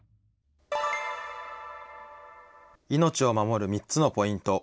命を守る３つのポイント。